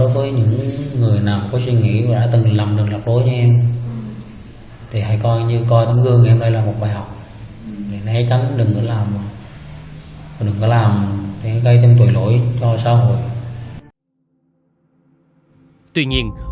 vụ án giết người